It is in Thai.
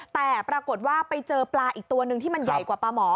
แต่ปรากฏว่าไปเจอปลาอีกตัวหนึ่งที่มันใหญ่กว่าปลาหมอ